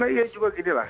ya juga gini lah